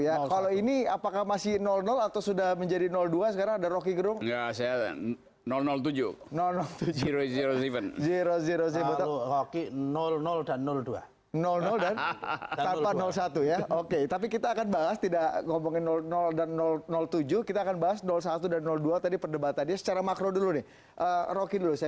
satu ya kalau ini apakah masih atau sudah menjadi dua sekarang ada rocky gerung